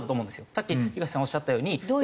さっき東さんおっしゃったように。